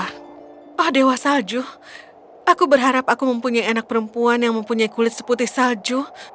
ah wah dewa salju aku berharap aku mempunyai anak perempuan yang mempunyai kulit seputih salju